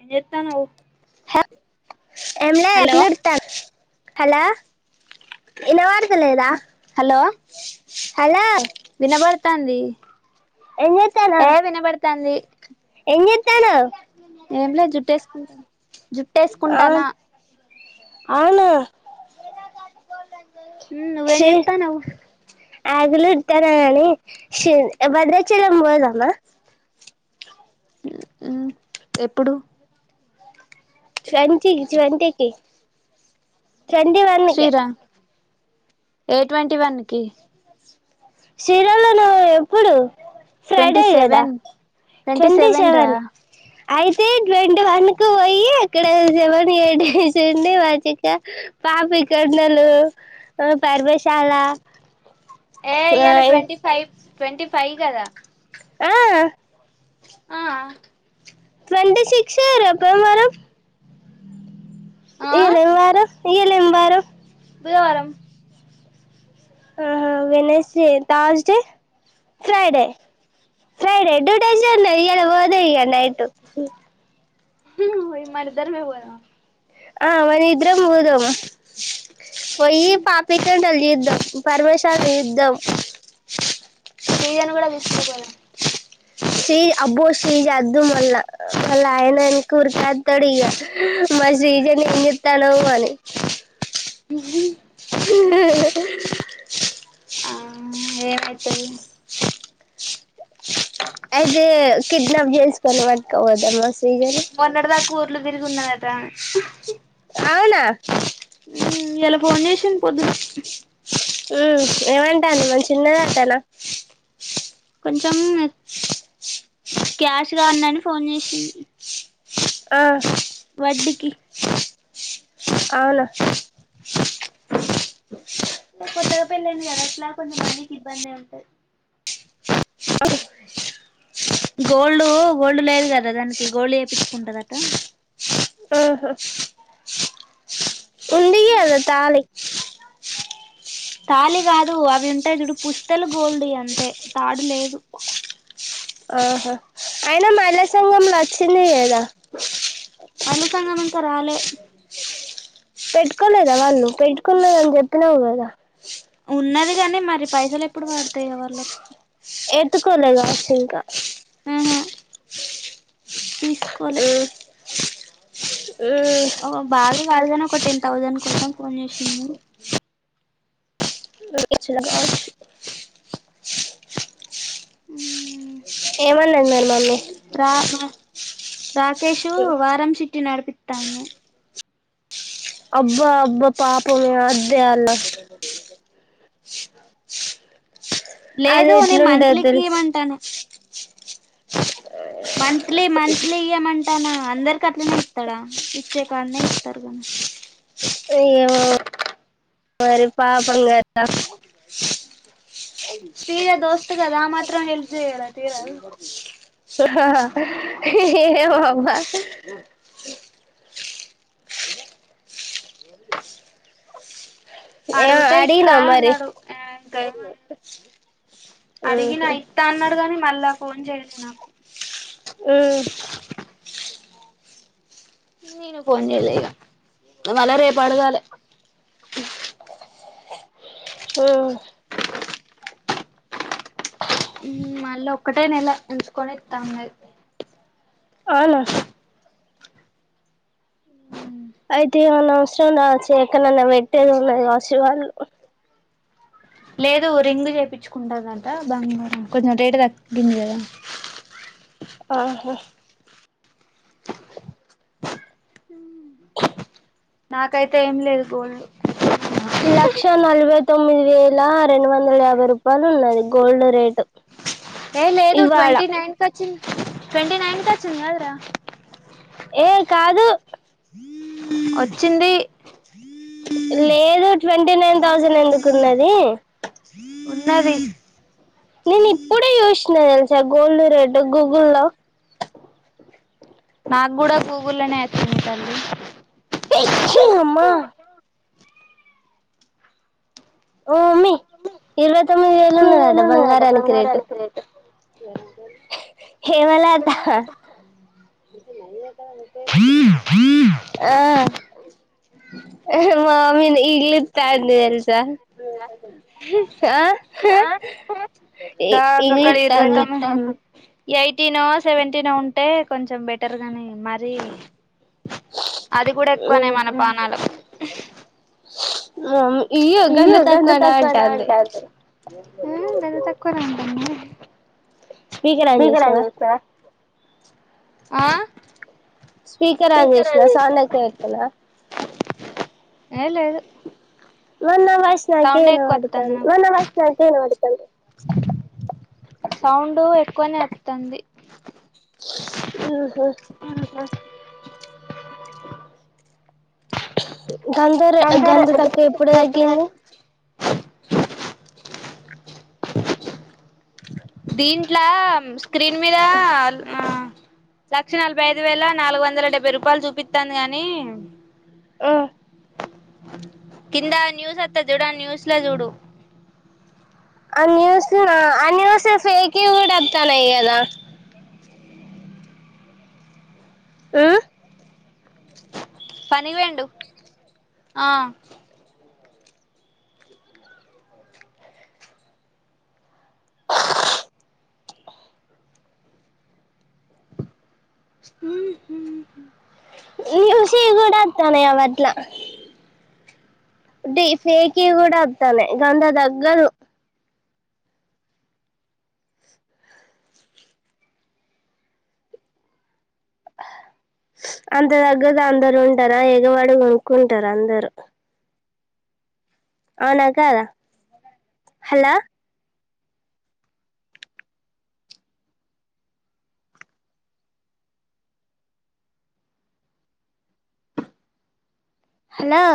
ఏ చెత్తానువు హ ఎనా ఎ నిరు త హలో ఎన్న వారుదలేదా హలో హలో వినబడతాంది ఎంగతనా ఏ వినబడతాంది ఎ కనా ఏంలేదు జుట్టేసుకుంటా ఆ జుట్టేసుకుంటానా అవును ఉమ్ నువ్వేం చెత్తనావ్. ఆకిలుక్థాన కానీ షూ భద్రాచలం పోదామా. ఎప్పుడు. సెంటికి ట్వంటీకి. ట్వంటీ వన్నుకి. శ్రీరా ఏ ట్వంటీ వన్ కి. శిరమ నవమి ఎప్పుడూ. ట్వంటి సెవెన్ ట్వంటి సెవెన్ రా. అయితే ట్వంటీ వన్ కు పోయి అక్కడ జవన్ ఏటి డేస్ ఉండి మంచిక పాపికొండలు పర్వశాల. ఏ ఇయ్యాల ఆ ట్వంటీ ఫైవ్ ట్వంటీ. ఫై కదా. ఆ. ఆ. ట్వంటీ సిక్స్ రేపు ఏం వారం. ఆ ఇయ్యాల ఏం వారం. ఇయ్యల ఏం వారం. బుధవారం. ఆహా Wednesday Thursday Friday Friday two days ఉన్నాయి ఇయ్యాల పోతే ఇగ నైటు. హుమ్ మనిద్దరమే పోదాం ఆ మనిద్దరం పోదాం. పోయి పాపికొండలు చూద్. ద్దం పరమేశ యుద్ధం టీజను కూడా తీసుకపోదాం. శ్రీ అబ్బో శ్రీజ అద్దు మళ్ళ వల్ల ఆయన ఎనక ఊరుకొత్తాడు ఇగ మా శ్రీజని ఏం చెత్తనావ్ అని. ఉహు. ఆ ఏమైతది అయిదే కిడ్నాప్ జెస్కొని పట్టకపోదామ శ్రీజని. కూర్లు తిరిగున్నదట అవునా మ్మ్ ఇయ్యాల ఫోన్ చేసింది పొద్దున ఉమ్ ఏవంటంది మంచిఉన్నదంటన కొంచెం క్యాష్ కావాలని ఫోన్ జేసింది ఆ అవునా కొత్తగా పెళ్లైంది కదా ఎట్లా కొంచెం మనీకి ఇబ్బందే ఉంటది గోల్డు గోల్డ్ లేదు కదా దానికి గోల్డ్ చేప్పిచ్చుకుంటదట ఆహా ఉంది కదా తాళి. తాలి కాదు అవి ఉంటాయి చూడు పుస్తెలు గోల్డ్ యి అంతే తాడు లేదు ఆహా అయినా మల్ల సంఘంలో వచ్చింది కదా మల్లి సంఘం ఇంకా రాలే పెట్టుకోలేదా వాళ్ళు పెట్టుకున్నదని చెప్పినావు కదా ఉన్నది గానీ మరి పైసలు ఎప్పుడు పడతాయో వాళ్లకు ఎతుకోలేగా సింకా ఆహా తీసుకోలే ఉమ్ ఉమ్ ఓ బాదె [unintelligible] ఒక టెన్ థౌసండ్ కోసం ఫోన్ చేసింది. [unintelligible] హ్మ్ ఏమన్నాంది మరి మమ్మీ రా మా రాకేష్ వారం చిట్టిల్ నడిపితాను అబ్బా అబ్బా పాపమే అద్దొయ్యాల లేదు నే అదేట్లుండద్ మంత్లీకి తెల్స్ ఇయ్యమంటాను మంత్లీ మంత్లీ ఇ యే మం [unintelligible] టనా అందరికట్లనే ఇత్తాడా ఇచ్చేకాడనే ఇత్తరు కానీ ఇవి ఏమో మరి పాపం గదా తీరా దోస్త్ గదా ఆ మాత్రం హల్ప్ చేయడా తీరాదు [unintelligible] ఏ అడిగుతే ఇత్తా అడిగినా అని మరి అన్నాడు ఇంకా ఏమన్లా అడిగినా ఉహు ఇత్తా అన్నాడు కాని మళ్ళా ఫోన్ చెయ్యలే నాకు ఉమ్మ్ ననూ ఫోన్ చేయ్లే ఇకా మాల్లా రేపడగాలే ఊ మ్మ్ మళ్ళ ఒక్కటే నెల ఉంచుకొని ఇత్తా అన్నది అవునా [unintelligible] చ్చ ఎక్కడ్ నన్నా పెట్టేది ఉన్నది కావచ్చు వాళ్ళు లేదు రింగు చేపిచ్చుకుంటదంటా బంగారం కొంచెం రేటు తగ్గింది కదా ఆహా హ నాకైతే ఏం లేదు గోల్డ్ లక్ష నలభ [unintelligible] తొమ్మిది వేల రెండు వందల యాభై రూపాయలున్నది గోల్డ్ రేటు ఏ లేదు ఇవాళ ట్వంటీ నైన్ [unintelligible] ట్వంటీ నైన్ కచ్చింది కదరా ఏ కాదు వచ్చింది లేదు ట్వంటీ నైన్ థౌజండ్ ఎందుకున్నది నది నేనిప్పుడే చూష్ ష్నా తెలుసా గోల్డ్ రేటు గూగుల్లో నాక్కూడా గూగుల్లోనే [inaudible] తు ఉంటది అమ్మా ఓం అమ్మి ఇరవై తొమ్మిది వేలు ఉన్నదట బంగారానికి రేటు ఏరంటరు హేమలత ఇన్నా ఆ మా అమ్మీ నే ఇద్లిత్తావుంది [unintelligible] సర్ ద గకడి ఈల్ ఇగిలిత్తాంది వేటమంటండ్లు ఎయిటీనో సెవెంటీనో ఉంటే కొంచెం బెటర్ గానీ మరి అది కూడా ఎక్కువనే మన పానాలకు మామి ఇయ్యో గంధ తక్కువనా అంటంది అ స్పీకర్ ఆన్ జేసినావా ఆ స్పీకర్ ఆన్ అంజేష్నా సౌండ్ చేశారా ఎక్కో వెట్కూనా ఏ లేదు మొన్న సౌండే ఎక్కువ వత్తంది నాకు ఇనవాడ్తాంది సౌండ్ ఎక్కువనే అత్తంది ఆహా గందరే అందరు గంధ తక్కువ ఎప్పుడు తగ్గింది దీంట్ల ప్చ్ క్రీన్ మీద ఆ లక్ష నలభై యిదు వేల నాలుగు వందల డెబ్బై రూపాయలు జూపితాంది గాని అ కింద న్యూస్ అత్త జుడా న్యూస్ ల జూడు ఆ న్యూస్ ఆ న్యూస్ ఫేకి గూడాతానయి గదా ఆ పనిఒయిండు ఆ ఊహు హు లూషియి గూడ అతనయ్ అవట్ల డీ ఫేకి గూడా అత్తనయ్ గంధ దగ్గదు అంత తగ్గది అందరు ఉంటారా ఎగవాడి కొనుక్కుంటారు అందరు అవునా కాదా హలో హలో